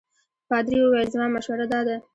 پادري وویل زما مشوره دا ده.